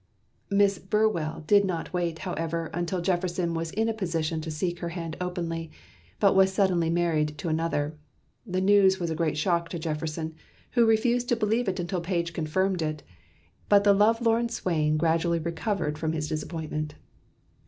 Miss Burwell did not wait, however, until Jefferson was in a position to seek her hand openly, but was suddenly married to another. The news was a great shock to Jefferson, who refused to believe it until Page confirmed it; but the love lorn swain gradually recovered from his disappointment.